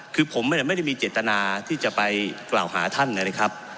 คือผมไม่ได้มีเจตนาที่จะไปกล่าวหาท่านนะครับ